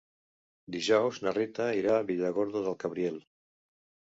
Dijous na Rita irà a Villargordo del Cabriel.